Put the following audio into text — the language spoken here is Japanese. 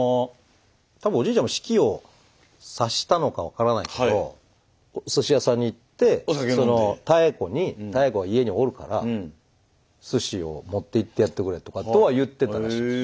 多分おじいちゃんも死期を察したのか分からないけどおすし屋さんに行って妙子に妙子が家におるからすしを持っていってやってくれとかとは言ってたらしいです。